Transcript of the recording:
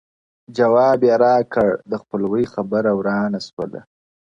o جواب يې راکړ د خپلوۍ خبره ورانه سوله,